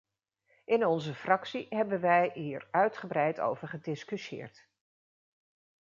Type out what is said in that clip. In onze fractie hebben wij hier uitgebreid over gediscussieerd.